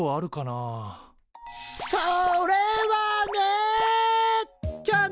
それはね。